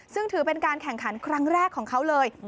ซึ่งถือเป็นการแข่งขันครั้งแรกของเขาเลย